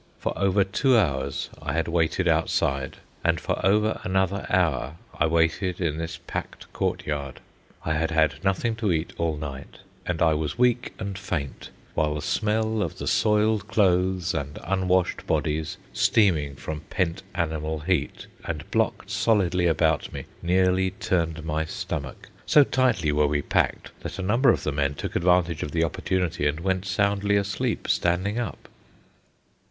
For over two hours I had waited outside, and for over another hour I waited in this packed courtyard. I had had nothing to eat all night, and I was weak and faint, while the smell of the soiled clothes and unwashed bodies, steaming from pent animal heat, and blocked solidly about me, nearly turned my stomach. So tightly were we packed, that a number of the men took advantage of the opportunity and went soundly asleep standing up.